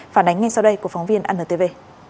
phản ánh ngay sau đây của phóng viên ntv